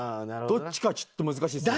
どっちかちょっと難しいですね。